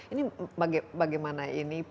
ini bagaimana ini